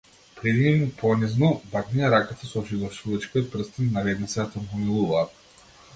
Пријди им понизно, бакни ја раката со жигосувачкиот прстен, наведни се да те помилуваат.